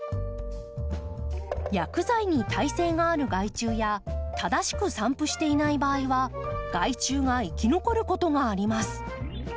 薬剤に耐性がある害虫や正しく散布していない場合は害虫が生き残ることがあります。